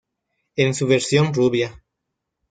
En su versión rubia.